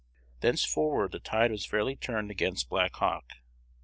Thenceforward the tide was fairly turned against Black Hawk.